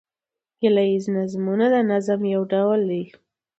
ګيله ييز نظمونه د نظم یو ډول دﺉ.